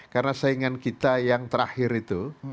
karena saingan kita yang terakhir itu